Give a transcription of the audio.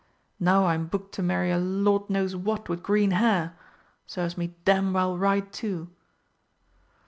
Now I'm booked to marry a Lord knows what with green hair. Serves me damned well right too!"